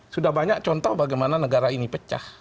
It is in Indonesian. sudah banyak contoh bagaimana negara ini pecah